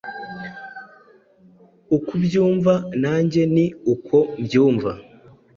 ukubyumva nanjye ni uko mbumva .